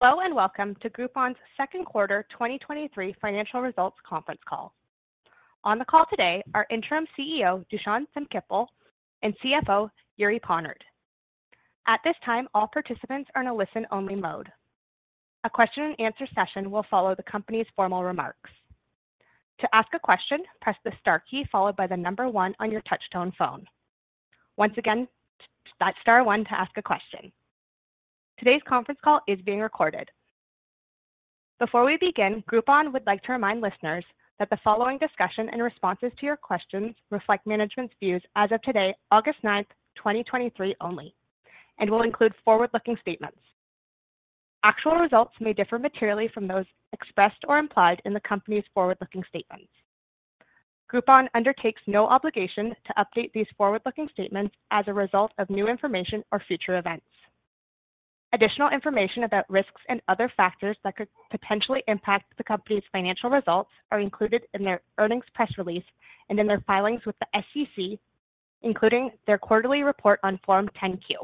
Hello, welcome to Groupon's second quarter, 2023 financial results conference call. On the call today are Interim CEO, Dušan Šenkyp, and CFO, Jiří Ponrt. At this time, all participants are in a listen-only mode. A question and answer session will follow the company's formal remarks. To ask a question, press the star key followed by 1 on your touchtone phone. Once again, that's star 1 to ask a question. Today's conference call is being recorded. Before we begin, Groupon would like to remind listeners that the following discussion and responses to your questions reflect management's views as of today, August 9th, 2023 only, and will include forward-looking statements. Actual results may differ materially from those expressed or implied in the company's forward-looking statements. Groupon undertakes no obligation to update these forward-looking statements as a result of new information or future events. Additional information about risks and other factors that could potentially impact the company's financial results are included in their earnings press release and in their filings with the SEC, including their quarterly report on Form 10-Q.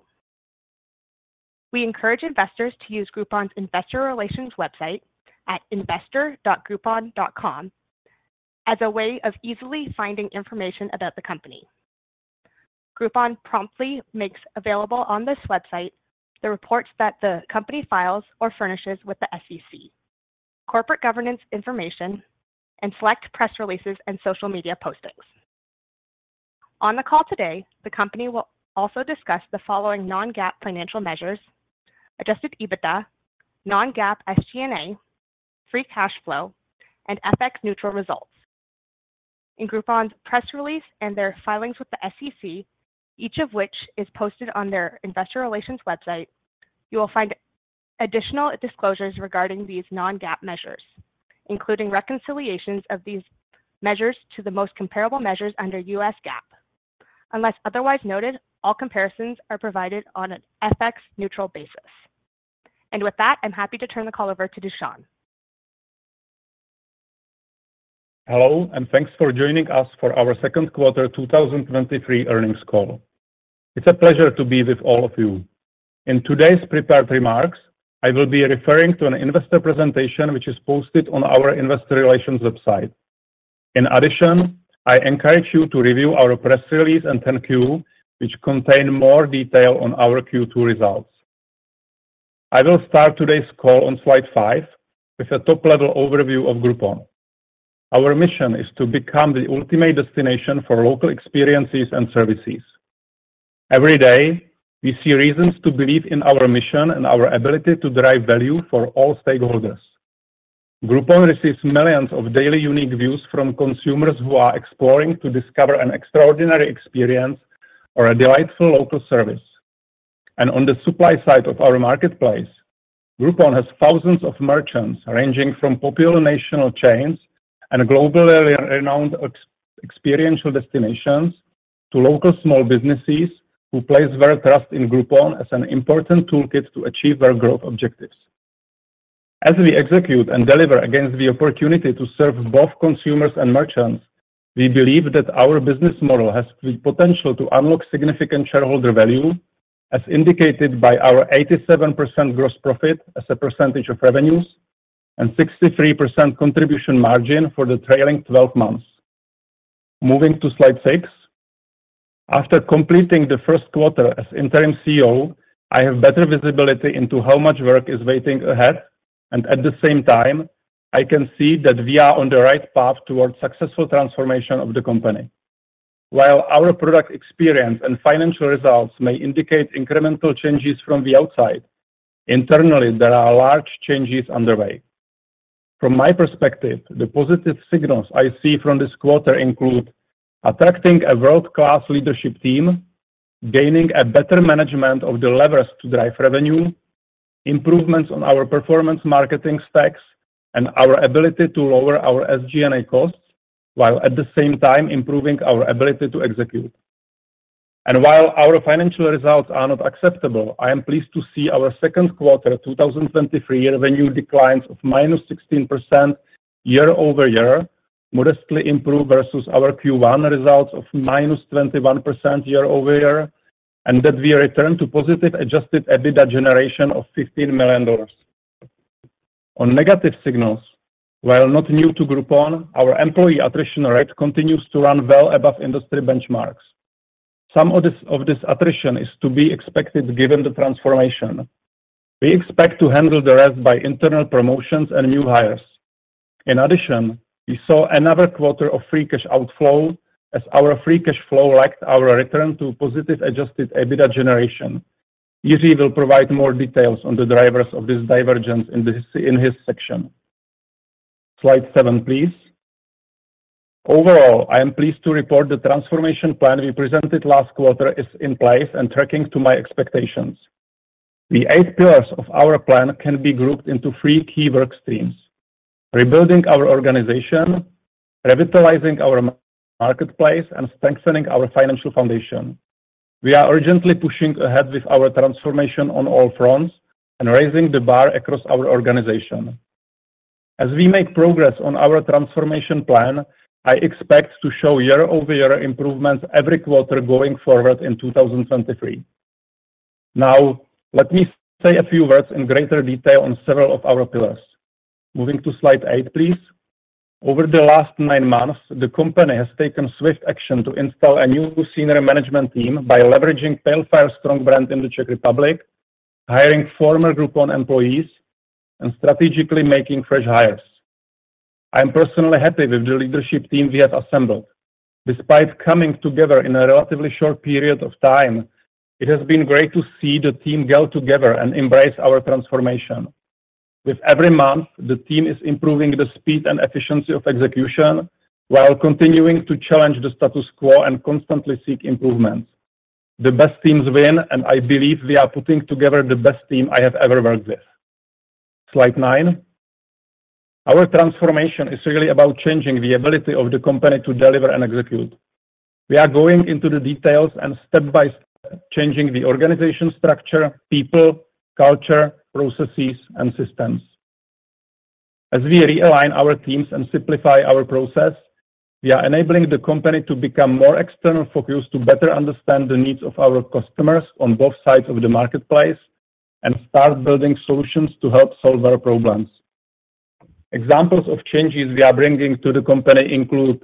We encourage investors to use Groupon's investor relations website at investor.groupon.com as a way of easily finding information about the company. Groupon promptly makes available on this website the reports that the company files or furnishes with the SEC, corporate governance information, and select press releases and social media postings. On the call today, the company will also discuss the following non-GAAP financial measures: Adjusted EBITDA, Non-GAAP SG&A, free cash flow, and FX neutral results. In Groupon's press release and their filings with the SEC, each of which is posted on their investor relations website, you will find additional disclosures regarding these non-GAAP measures, including reconciliations of these measures to the most comparable measures under U.S. GAAP. Unless otherwise noted, all comparisons are provided on an FX neutral basis. With that, I'm happy to turn the call over to Dušan. Hello, thanks for joining us for our second quarter 2023 earnings call. It's a pleasure to be with all of you. In today's prepared remarks, I will be referring to an investor presentation, which is posted on our investor relations website. In addition, I encourage you to review our press release and 10-Q, which contain more detail on our Q2 results. I will start today's call on slide 5 with a top-level overview of Groupon. Our mission is to become the ultimate destination for local experiences and services. Every day, we see reasons to believe in our mission and our ability to derive value for all stakeholders. Groupon receives millions of daily unique views from consumers who are exploring to discover an extraordinary experience or a delightful local service. On the supply side of our marketplace, Groupon has thousands of merchants, ranging from popular national chains and globally renowned experiential destinations to local small businesses who place their trust in Groupon as an important toolkit to achieve their growth objectives. As we execute and deliver against the opportunity to serve both consumers and merchants, we believe that our business model has the potential to unlock significant shareholder value, as indicated by our 87% gross profit as a percentage of revenues and 63% contribution margin for the trailing 12 months. Moving to slide 6. After completing the 1st quarter as Interim CEO, I have better visibility into how much work is waiting ahead, and at the same time, I can see that we are on the right path towards successful transformation of the company. While our product experience and financial results may indicate incremental changes from the outside, internally, there are large changes underway. From my perspective, the positive signals I see from this quarter include attracting a world-class leadership team, gaining a better management of the levers to drive revenue, improvements on our performance marketing stacks, and our ability to lower our SG&A costs, while at the same time improving our ability to execute. While our financial results are not acceptable, I am pleased to see our second quarter, 2023 revenue declines of -16% year-over-year, modestly improve versus our Q1 results of -21% year-over-year, and that we return to positive Adjusted EBITDA generation of $15 million. On negative signals, while not new to Groupon, our employee attrition rate continues to run well above industry benchmarks. Some of this attrition is to be expected given the transformation. We expect to handle the rest by internal promotions and new hires. In addition, we saw another quarter of free cash outflow as our free cash flow lacked our return to positive Adjusted EBITDA generation. Jiri will provide more details on the drivers of this divergence in his section. Slide seven, please. Overall, I am pleased to report the transformation plan we presented last quarter is in place and tracking to my expectations. The eight pillars of our plan can be grouped into three key work streams: rebuilding our organization, revitalizing our marketplace, and strengthening our financial foundation. We are urgently pushing ahead with our transformation on all fronts and raising the bar across our organization. As we make progress on our transformation plan, I expect to show year-over-year improvements every quarter going forward in 2023. Let me say a few words in greater detail on several of our pillars. Moving to slide 8, please. Over the last 9 months, the company has taken swift action to install a new senior management team by leveraging Pale Fire Capital's strong brand in the Czech Republic, hiring former Groupon employees, and strategically making fresh hires. I am personally happy with the leadership team we have assembled. Despite coming together in a relatively short period of time, it has been great to see the team gel together and embrace our transformation. With every month, the team is improving the speed and efficiency of execution while continuing to challenge the status quo and constantly seek improvements. The best teams win, and I believe we are putting together the best team I have ever worked with. Slide 9. Our transformation is really about changing the ability of the company to deliver and execute. We are going into the details and step by step, changing the organization structure, people, culture, processes, and systems. As we realign our teams and simplify our process, we are enabling the company to become more external-focused to better understand the needs of our customers on both sides of the marketplace and start building solutions to help solve our problems. Examples of changes we are bringing to the company include,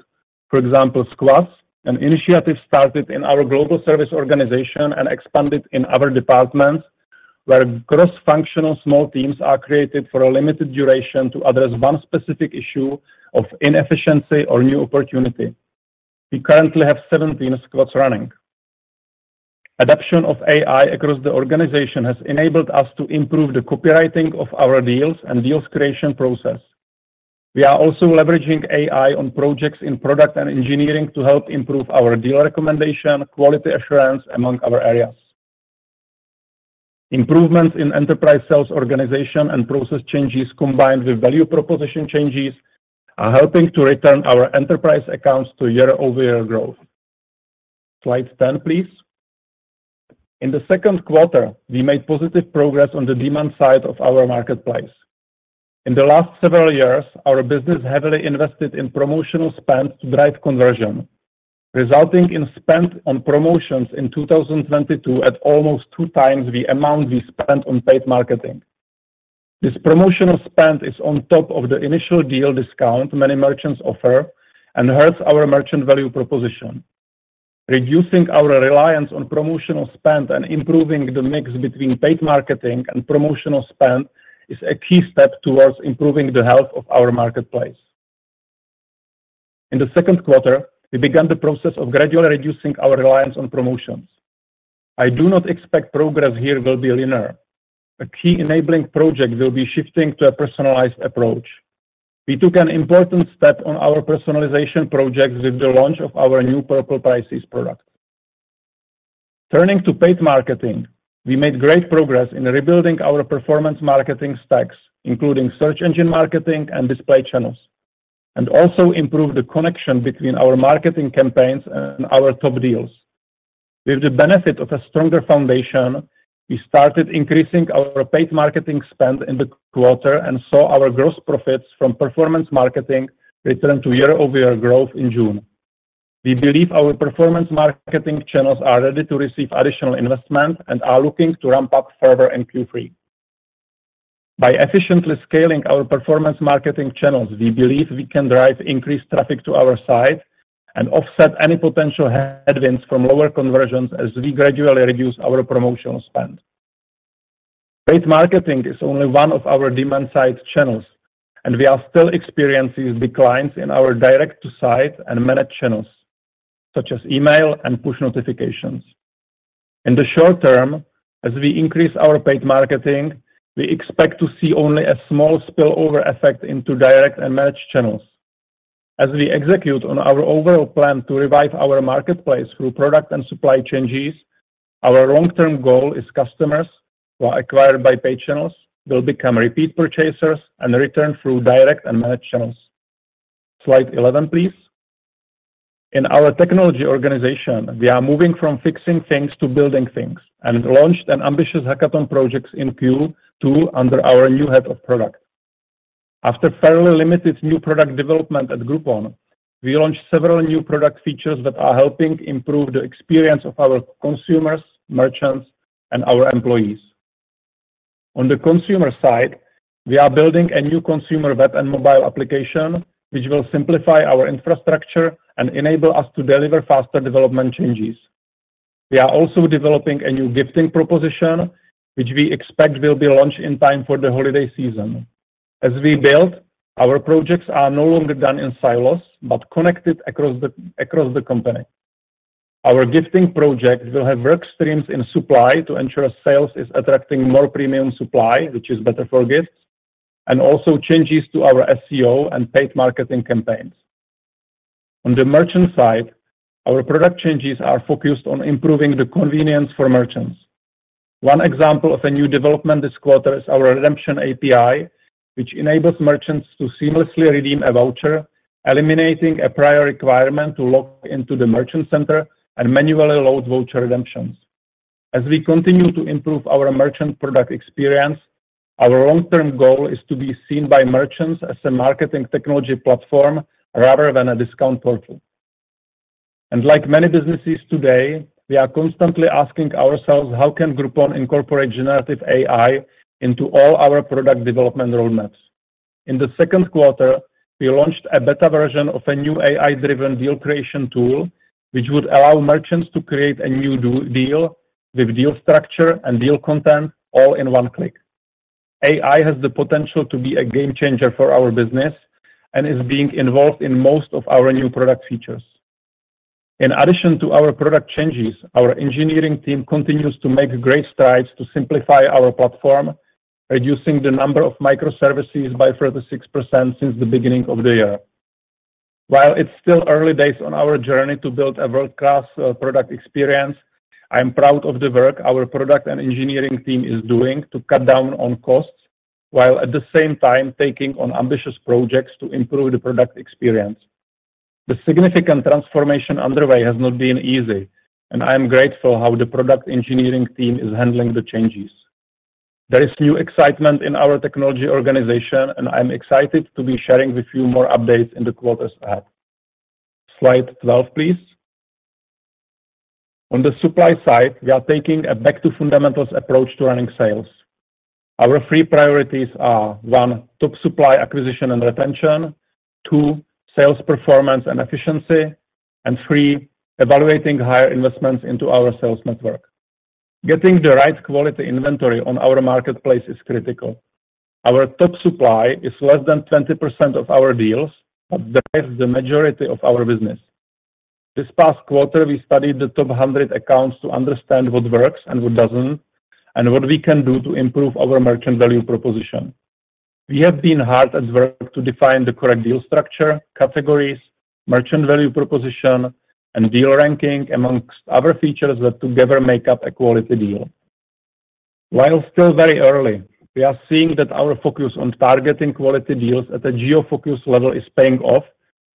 for example, Squads, an initiative started in our global service organization and expanded in other departments, where cross-functional small teams are created for a limited duration to address one specific issue of inefficiency or new opportunity. We currently have 17 Squads running. Adoption of AI across the organization has enabled us to improve the copywriting of our deals and deals creation process. We are also leveraging AI on projects in product and engineering to help improve our deal recommendation, quality assurance, among other areas. Improvements in enterprise sales organization and process changes, combined with value proposition changes, are helping to return our enterprise accounts to year-over-year growth. Slide 10, please. In the second quarter, we made positive progress on the demand side of our marketplace. In the last several years, our business heavily invested in promotional spends to drive conversion, resulting in spend on promotions in 2022 at almost 2 times the amount we spent on paid marketing. This promotional spend is on top of the initial deal discount many merchants offer and hurts our merchant value proposition. Reducing our reliance on promotional spend and improving the mix between paid marketing and promotional spend is a key step towards improving the health of our marketplace. In the second quarter, we began the process of gradually reducing our reliance on promotions. I do not expect progress here will be linear. A key enabling project will be shifting to a personalized approach. We took an important step on our personalization projects with the launch of our new Purple Prices product. Turning to paid marketing, we made great progress in rebuilding our performance marketing stacks, including search engine marketing and display channels, and also improved the connection between our marketing campaigns and our top deals. With the benefit of a stronger foundation, we started increasing our paid marketing spend in the quarter and saw our gross profits from performance marketing return to year-over-year growth in June. We believe our performance marketing channels are ready to receive additional investment and are looking to ramp up further in Q3. By efficiently scaling our performance marketing channels, we believe we can drive increased traffic to our site and offset any potential headwinds from lower conversions as we gradually reduce our promotional spend. Paid marketing is only one of our demand-side channels, and we are still experiencing declines in our direct-to-site and managed channels, such as email and push notifications. In the short term, as we increase our paid marketing, we expect to see only a small spillover effect into direct and managed channels. As we execute on our overall plan to revive our marketplace through product and supply changes, our long-term goal is customers who are acquired by paid channels will become repeat purchasers and return through direct and managed channels. Slide 11, please. In our technology organization, we are moving from fixing things to building things, and launched an ambitious hackathon projects in Q2 under our new head of product. After fairly limited new product development at Groupon, we launched several new product features that are helping improve the experience of our consumers, merchants, and our employees. On the consumer side, we are building a new consumer web and mobile application, which will simplify our infrastructure and enable us to deliver faster development changes. We are also developing a new gifting proposition, which we expect will be launched in time for the holiday season. As we build, our projects are no longer done in silos, but connected across the company. Our gifting project will have work streams in supply to ensure sales is attracting more premium supply, which is better for gifts, and also changes to our SEO and paid marketing campaigns. On the merchant side, our product changes are focused on improving the convenience for merchants. One example of a new development this quarter is our redemption API, which enables merchants to seamlessly redeem a voucher, eliminating a prior requirement to log into the Merchant Center and manually load voucher redemptions. As we continue to improve our merchant product experience, our long-term goal is to be seen by merchants as a marketing technology platform rather than a discount portal. Like many businesses today, we are constantly asking ourselves: how can Groupon incorporate generative AI into all our product development roadmaps? In the second quarter, we launched a beta version of a new AI-driven deal creation tool, which would allow merchants to create a new deal with deal structure and deal content all in one click. AI has the potential to be a game changer for our business and is being involved in most of our new product features. In addition to our product changes, our engineering team continues to make great strides to simplify our platform, reducing the number of microservices by 36% since the beginning of the year. While it's still early days on our journey to build a world-class product experience, I am proud of the work our product and engineering team is doing to cut down on costs, while at the same time taking on ambitious projects to improve the product experience. The significant transformation underway has not been easy, and I am grateful how the product engineering team is handling the changes. There is new excitement in our technology organization, and I'm excited to be sharing with you more updates in the quarters ahead. Slide 12, please. On the supply side, we are taking a back-to-fundamentals approach to running sales. Our three priorities are: One, top supply acquisition and retention. Two, sales performance and efficiency, and three, evaluating higher investments into our sales network. Getting the right quality inventory on our marketplace is critical. Our top supply is less than 20% of our deals, but drives the majority of our business. This past quarter, we studied the top 100 accounts to understand what works and what doesn't, and what we can do to improve our merchant value proposition. We have been hard at work to define the correct deal structure, categories, merchant value proposition, and deal ranking, amongst other features that together make up a quality deal. While still very early, we are seeing that our focus on targeting quality deals at a geo-focus level is paying off,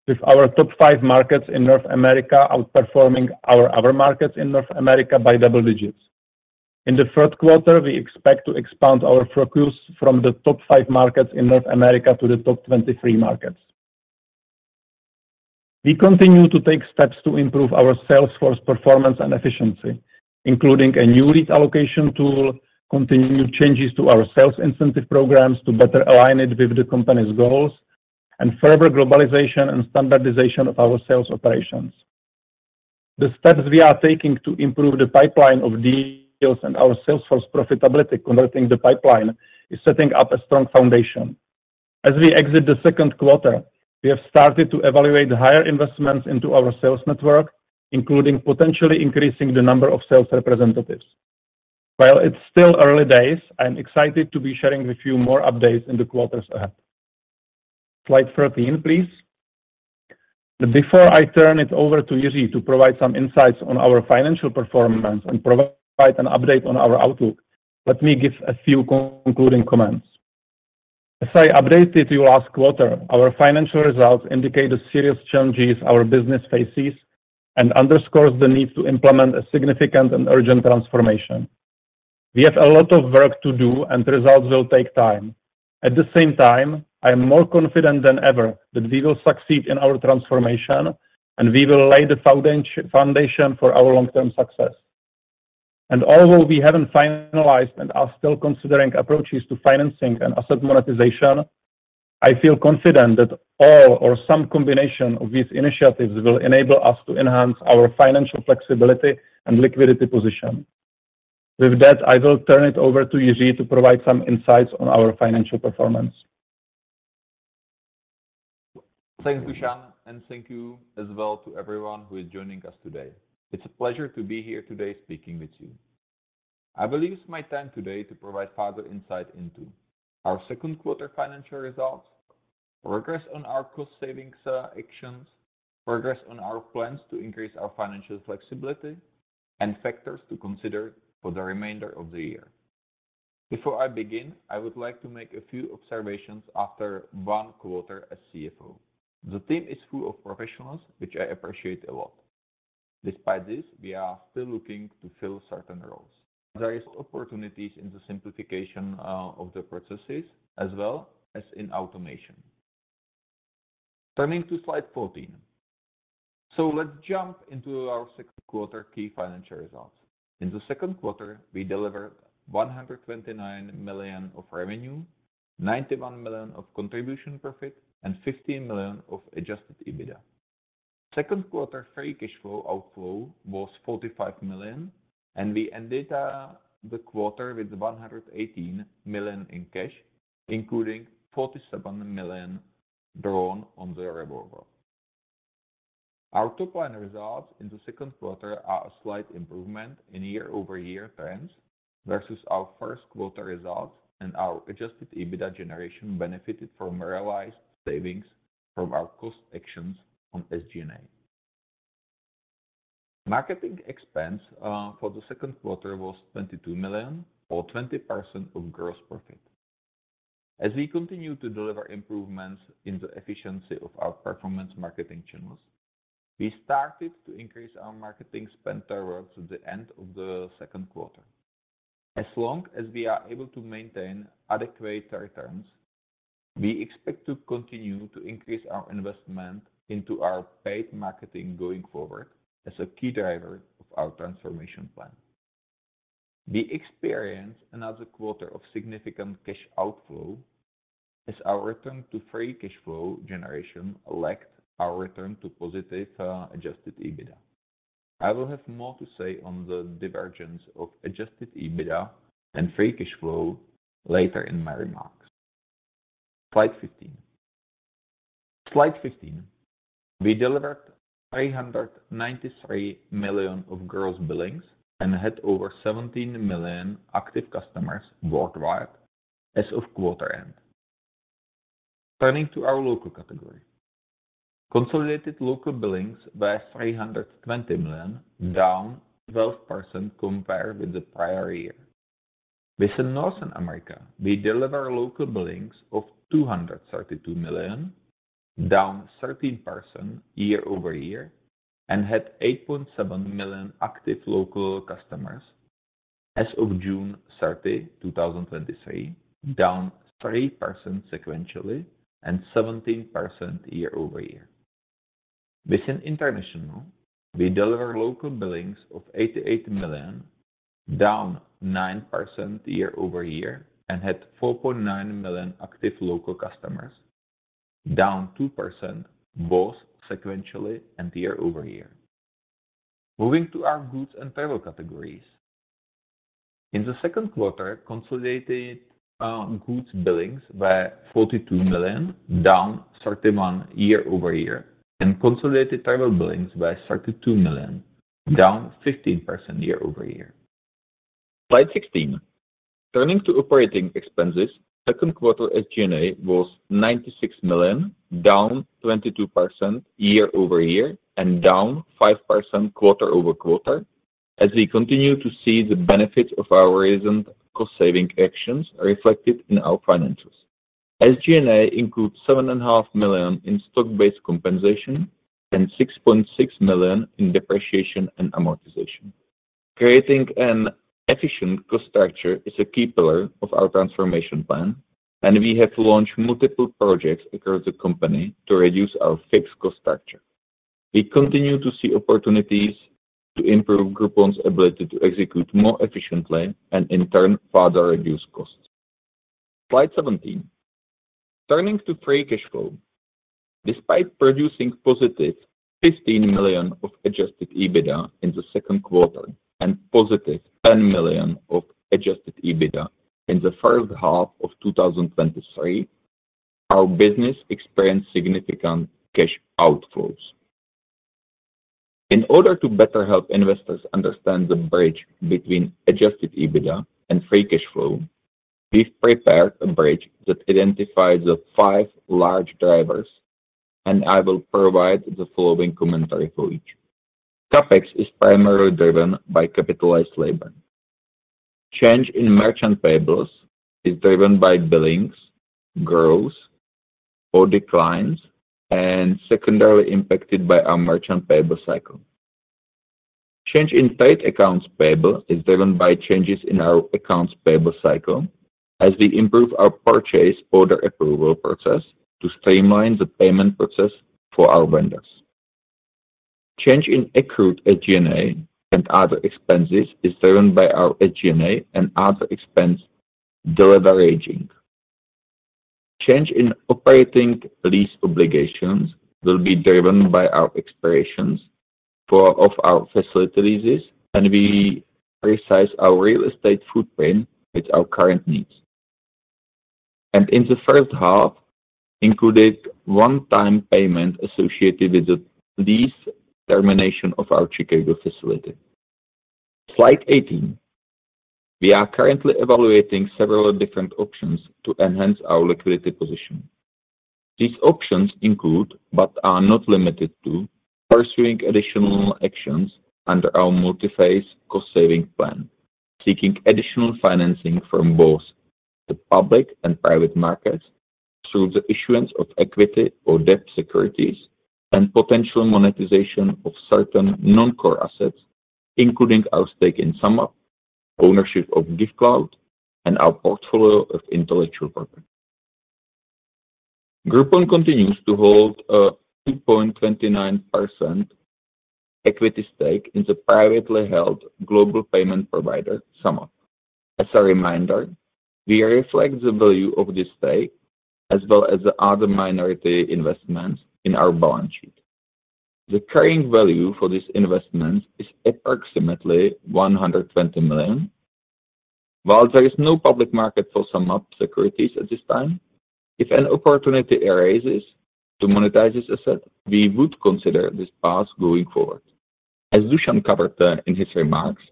with our top five markets in North America outperforming our other markets in North America by double digits. In the third quarter, we expect to expand our focus from the top five markets in North America to the top 23 markets. We continue to take steps to improve our sales force performance and efficiency, including a new lead allocation tool, continued changes to our sales incentive programs to better align it with the company's goals, and further globalization and standardization of our sales operations. The steps we are taking to improve the pipeline of deals and our sales force profitability, converting the pipeline, is setting up a strong foundation. As we exit the second quarter, we have started to evaluate higher investments into our sales network, including potentially increasing the number of sales representatives. While it's still early days, I'm excited to be sharing with you more updates in the quarters ahead. Slide 13, please. Before I turn it over to Jiri to provide some insights on our financial performance and provide an update on our outlook, let me give a few concluding comments. As I updated you last quarter, our financial results indicate the serious challenges our business faces and underscores the need to implement a significant and urgent transformation. We have a lot of work to do, and the results will take time. At the same time, I am more confident than ever that we will succeed in our transformation, and we will lay the foundation for our long-term success. Although we haven't finalized and are still considering approaches to financing and asset monetization, I feel confident that all or some combination of these initiatives will enable us to enhance our financial flexibility and liquidity position. With that, I will turn it over to Jiri to provide some insights on our financial performance. Thanks, Dusan, and thank you as well to everyone who is joining us today. It's a pleasure to be here today speaking with you. I will use my time today to provide further insight into our second quarter financial results, progress on our cost savings, actions, progress on our plans to increase our financial flexibility, and factors to consider for the remainder of the year. Before I begin, I would like to make a few observations after one quarter as CFO. The team is full of professionals, which I appreciate a lot. Despite this, we are still looking to fill certain roles. There is opportunities in the simplification of the processes as well as in automation. Turning to slide 14. Let's jump into our second quarter key financial results. In the second quarter, we delivered $129 million of revenue, $91 million of contribution profit, and $15 million of Adjusted EBITDA. Second quarter free cash flow outflow was $45 million, and we ended the quarter with $118 million in cash, including $47 million drawn on the revolver. Our top line results in the second quarter are a slight improvement in year-over-year trends versus our first quarter results, and our Adjusted EBITDA generation benefited from realized savings from our cost actions on SG&A. Marketing expense for the second quarter was $22 million or 20% of gross profit....As we continue to deliver improvements in the efficiency of our performance marketing channels, we started to increase our marketing spend towards the end of the second quarter. As long as we are able to maintain adequate returns, we expect to continue to increase our investment into our paid marketing going forward as a key driver of our transformation plan. We experienced another quarter of significant cash outflow as our return to free cash flow generation lacked our return to positive Adjusted EBITDA. I will have more to say on the divergence of Adjusted EBITDA and free cash flow later in my remarks. Slide 15. Slide 15, we delivered $393 million of gross billings and had over 17 million active customers worldwide as of quarter end. Turning to our local category. Consolidated local billings were $320 million, down 12% compared with the prior year. Within Northern America, we deliver local billings of $232 million, down 13% year-over-year, and had 8.7 million active local customers as of June 30, 2023, down 3% sequentially and 17% year-over-year. Within International, we deliver local billings of $88 million, down 9% year-over-year, and had 4.9 million active local customers, down 2%, both sequentially and year-over-year. Moving to our goods and travel categories. In the second quarter, consolidated goods billings were $42 million, down 31 year-over-year, and consolidated travel billings were $32 million, down 15% year-over-year. Slide 16. Turning to operating expenses, second quarter SG&A was $96 million, down 22% year-over-year and down 5% quarter-over-quarter, as we continue to see the benefits of our recent cost-saving actions reflected in our financials. SG&A includes $7.5 million in stock-based compensation and $6.6 million in depreciation and amortization. Creating an efficient cost structure is a key pillar of our transformation plan. We have launched multiple projects across the company to reduce our fixed cost structure. We continue to see opportunities to improve Groupon's ability to execute more efficiently and in turn, further reduce costs. Slide 17. Turning to free cash flow. Despite producing positive $15 million of Adjusted EBITDA in the second quarter and positive $10 million of Adjusted EBITDA in the first half of 2023, our business experienced significant cash outflows. In order to better help investors understand the bridge between Adjusted EBITDA and free cash flow, we've prepared a bridge that identifies the five large drivers, and I will provide the following commentary for each. CapEx is primarily driven by capitalized labor. Change in merchant payables is driven by billings, growth or declines, and secondarily impacted by our merchant payable cycle. Change in trade accounts payable is driven by changes in our accounts payable cycle as we improve our purchase order approval process to streamline the payment process for our vendors. Change in accrued SG&A and other expenses is driven by our SG&A and other expense deliver aging. Change in operating lease obligations will be driven by our expirations of our facility leases, and we precise our real estate footprint with our current needs. In the first half, included one-time payment associated with the lease termination of our Chicago facility. Slide 18. We are currently evaluating several different options to enhance our liquidity position. These options include, but are not limited to, pursuing additional actions under our multi-phase cost-saving plan, seeking additional financing from both the public and private markets through the issuance of equity or debt securities, and potential monetization of certain non-core assets, including our stake in SumUp, ownership of Giftcloud, and our portfolio of intellectual property. Groupon continues to hold a 2.29% equity stake in the privately held global payment provider, SumUp. As a reminder, we reflect the value of this stake as well as the other minority investments in our balance sheet. The carrying value for this investment is approximately $120 million. While there is no public market for SumUp securities at this time, if an opportunity arises to monetize this asset, we would consider this path going forward. As Dusan covered in his remarks,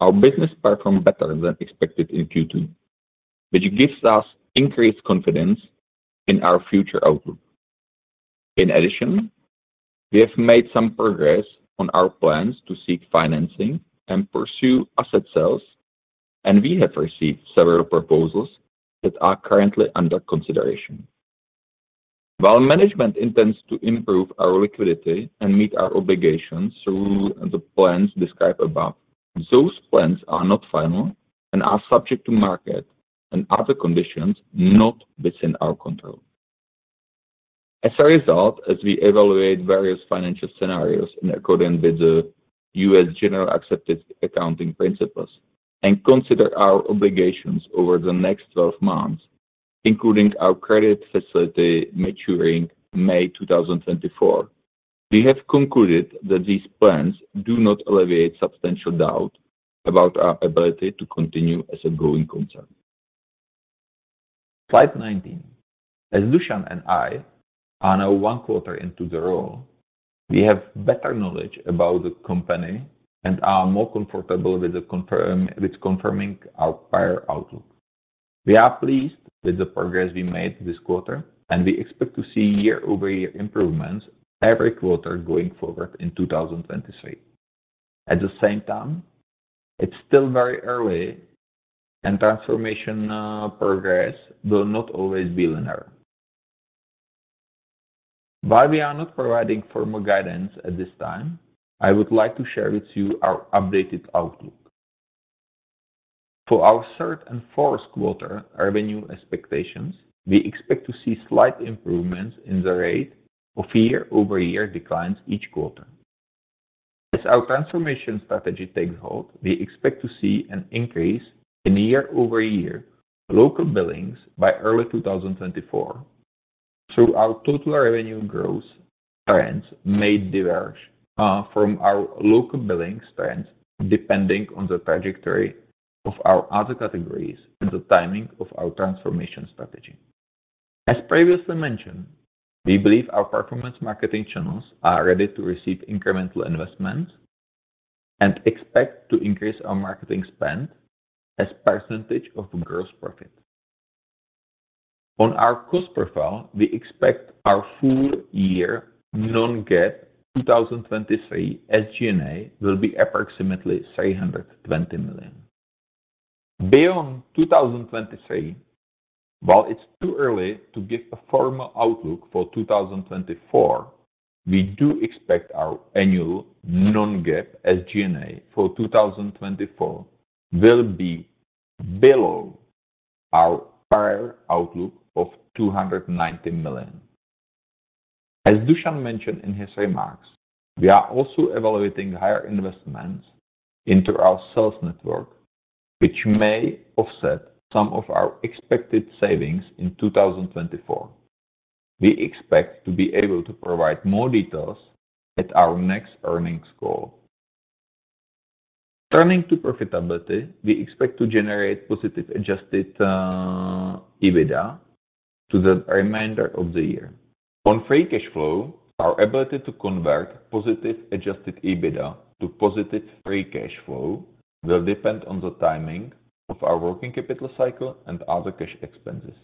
our business performed better than expected in Q2, which gives us increased confidence in our future outlook. In addition, we have made some progress on our plans to seek financing and pursue asset sales, and we have received several proposals that are currently under consideration. While management intends to improve our liquidity and meet our obligations through the plans described above, those plans are not final and are subject to market and other conditions not within our control. As a result, as we evaluate various financial scenarios in accordance with the U.S. Generally Accepted Accounting Principles and consider our obligations over the next 12 months, including our credit facility maturing May 2024, we have concluded that these plans do not alleviate substantial doubt about our ability to continue as a going concern. Slide 19. As Dusan and I are now 1 quarter into the role, we have better knowledge about the company and are more comfortable with confirming our prior outlook. We are pleased with the progress we made this quarter, and we expect to see year-over-year improvements every quarter going forward in 2023. At the same time, it's still very early, and transformation progress will not always be linear. While we are not providing formal guidance at this time, I would like to share with you our updated outlook. For our third and fourth quarter revenue expectations, we expect to see slight improvements in the rate of year-over-year declines each quarter. As our transformation strategy takes hold, we expect to see an increase in year-over-year local billings by early 2024. Our total revenue growth trends may diverge from our local billings trends, depending on the trajectory of our other categories and the timing of our transformation strategy. As previously mentioned, we believe our performance marketing channels are ready to receive incremental investments and expect to increase our marketing spend as percentage of gross profit. On our cost profile, we expect our full year non-GAAP 2023 SG&A will be approximately $320 million. Beyond 2023, while it's too early to give a formal outlook for 2024, we do expect our annual non-GAAP SG&A for 2024 will be below our prior outlook of $290 million. As Dusan mentioned in his remarks, we are also evaluating higher investments into our sales network, which may offset some of our expected savings in 2024. We expect to be able to provide more details at our next earnings call. Turning to profitability, we expect to generate positive Adjusted EBITDA to the remainder of the year. On free cash flow, our ability to convert positive Adjusted EBITDA to positive free cash flow will depend on the timing of our working capital cycle and other cash expenses.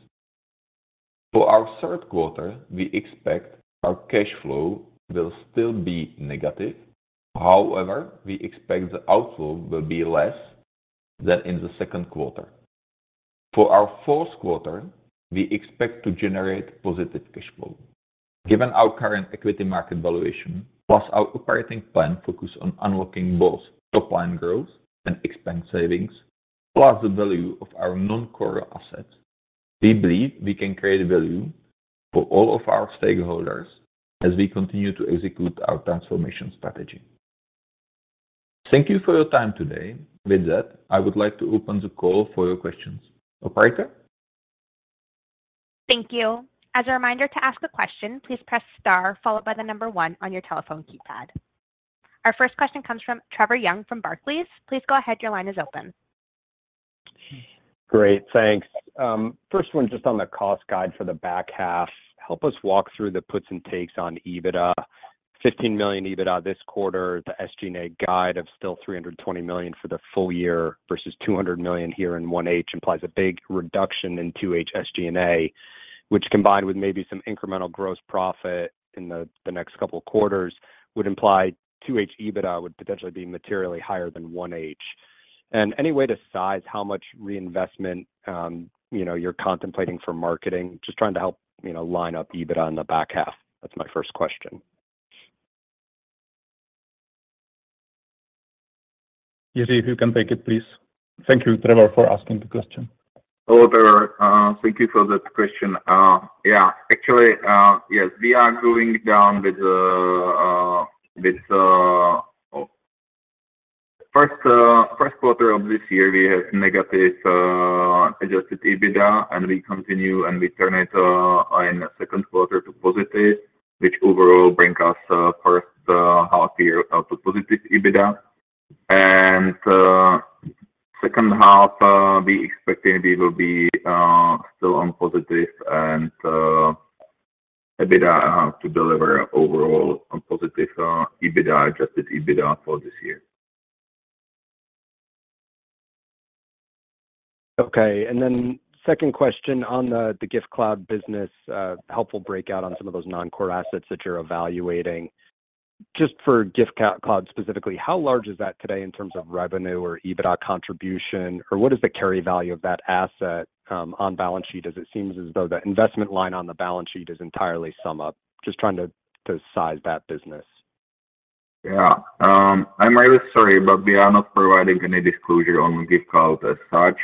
For our third quarter, we expect our cash flow will still be negative. However, we expect the outflow will be less than in the second quarter. For our fourth quarter, we expect to generate positive cash flow. Given our current equity market valuation, plus our operating plan focus on unlocking both top line growth and expense savings, plus the value of our non-core assets, we believe we can create value for all of our stakeholders as we continue to execute our transformation strategy. Thank you for your time today. With that, I would like to open the call for your questions. Operator? Thank you. As a reminder to ask a question, please press star followed by the number one on your telephone keypad. Our first question comes from Trevor Young from Barclays. Please go ahead. Your line is open. Great, thanks. First one, just on the cost guide for the back half. Help us walk through the puts and takes on EBITDA. $15 million EBITDA this quarter, the SG&A guide of still $320 million for the full year versus $200 million here in 1H implies a big reduction in 2H SG&A, which, combined with maybe some incremental gross profit in the next couple quarters, would imply 2H EBITDA would potentially be materially higher than 1H. Any way to size how much reinvestment, you know, you're contemplating for marketing? Just trying to help, you know, line up EBITDA in the back half. That's my first question. Jiri, if you can take it, please. Thank you, Trevor, for asking the question. Hello, Trevor. Thank you for that question. Yeah, actually, yes. Oh, first quarter of this year, we have negative Adjusted EBITDA. We continue, and we turn it in the second quarter to positive, which overall bring us first half year of the positive EBITDA. Second half, we expecting we will be still on positive and EBITDA to deliver overall on positive EBITDA, Adjusted EBITDA for this year. Okay, second question on the Giftcloud business, helpful breakout on some of those non-core assets that you're evaluating. Just for Giftcloud specifically, how large is that today in terms of revenue or EBITDA contribution? Or what is the carry value of that asset, on balance sheet, as it seems as though the investment line on the balance sheet is entirely SumUp? Just trying to, to size that business. Yeah. I'm really sorry, we are not providing any disclosure on Giftcloud as such.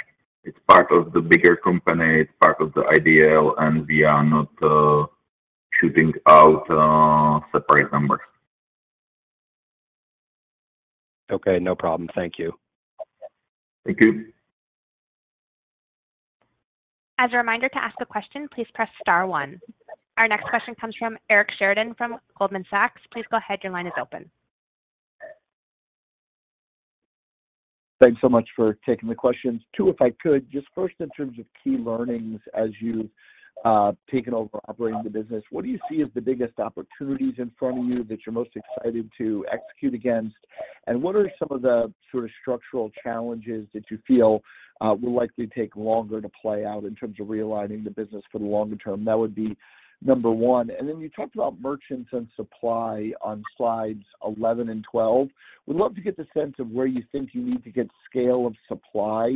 It's part of the bigger company, it's part of the International, we are not shooting out separate numbers. Okay, no problem. Thank you. Thank you. As a reminder, to ask a question, please press star one. Our next question comes from Eric Sheridan from Goldman Sachs. Please go ahead, your line is open. Thanks so much for taking the questions. Two, if I could, just first in terms of key learnings as you've taken over operating the business, what do you see as the biggest opportunities in front of you that you're most excited to execute against? What are some of the sort of structural challenges that you feel will likely take longer to play out in terms of realigning the business for the longer term? That would be number one. Then you talked about merchants and supply on slides 11 and 12. Would love to get the sense of where you think you need to get scale of supply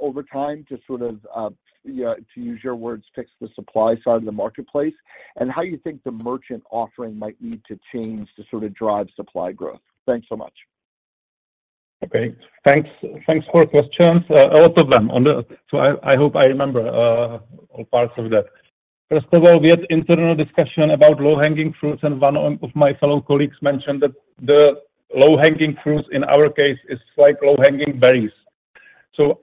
over time to sort of, yeah, to use your words, fix the supply side of the marketplace, and how you think the merchant offering might need to change to sort of drive supply growth. Thanks so much. Okay. Thanks. Thanks for questions, a lot of them on the-- so I, I hope I remember all parts of that. First of all, we had internal discussion about low-hanging fruits. One of my fellow colleagues mentioned that the low-hanging fruits in our case is like low-hanging berries.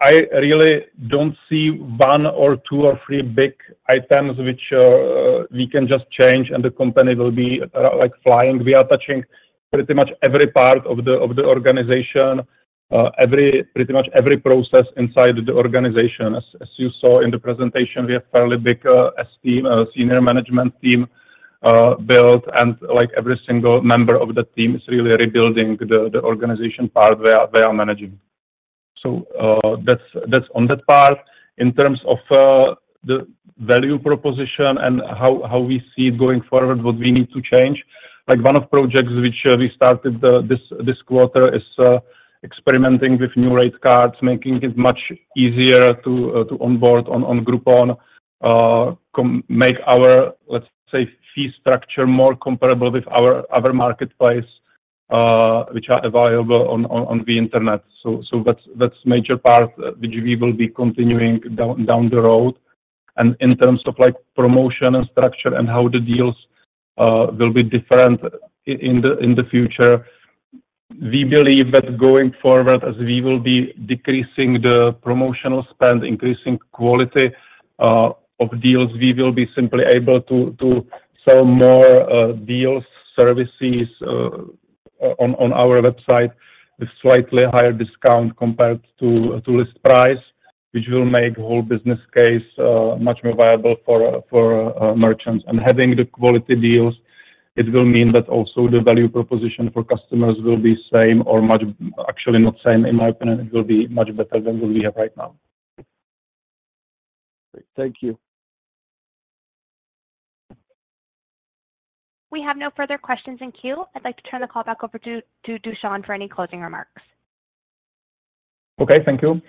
I really don't see one or two or three big items which we can just change, and the company will be like flying. We are touching pretty much every part of the, of the organization, every, pretty much every process inside the organization. As, as you saw in the presentation, we have fairly big S team, senior management team built, and like every single member of the team is really rebuilding the, the organization part we are, we are managing. That's, that's on that part. In terms of, the value proposition and how, how we see it going forward, what we need to change. Like, one of projects which, we started, this, this quarter is, experimenting with new rate cards, making it much easier to, to onboard on, on Groupon. Make our, let's say, fee structure more comparable with our other marketplace, which are available on, on, on the internet. That's, that's major part which we will be continuing down, down the road. In terms of like promotion and structure and how the deals will be different in the future, we believe that going forward, as we will be decreasing the promotional spend, increasing quality of deals, we will be simply able to sell more deals, services on our website, with slightly higher discount compared to list price, which will make whole business case much more viable for merchants. Having the quality deals, it will mean that also the value proposition for customers will be same or much-- actually not same, in my opinion, it will be much better than what we have right now. Thank you. We have no further questions in queue. I'd like to turn the call back over to Dušan for any closing remarks. Okay. Thank you.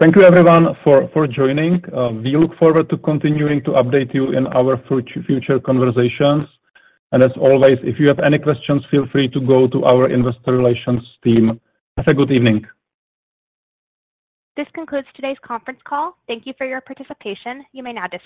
Thank you everyone for joining. We look forward to continuing to update you in our future conversations. As always, if you have any questions, feel free to go to our investor relations team. Have a good evening. This concludes today's conference call. Thank you for your participation. You may now disconnect.